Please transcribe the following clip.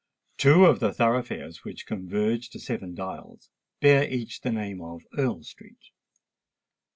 Two of the thoroughfares which converge to Seven Dials, bear each the name of Earl Street.